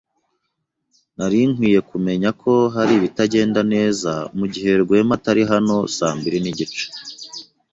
Nari nkwiye kumenya ko hari ibitagenda neza mugihe Rwema atari hano saa mbiri nigice.